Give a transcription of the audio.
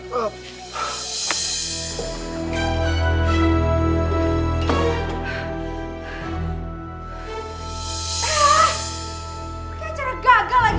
pokoknya acara gagal lagi